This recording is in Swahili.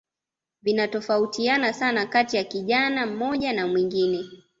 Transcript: Vinatofautiana sana kati ya kijana mmoja na mwingine